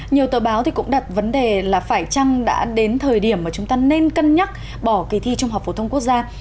nhiều tờ báo cũng đặt vấn đề là phải chăng đã đến thời điểm mà chúng ta nên cân nhắc bỏ kỳ thi trung học phổ thông quốc gia